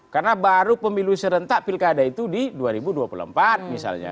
karena baru pemilu serentak pilkada itu di dua ribu dua puluh empat misalnya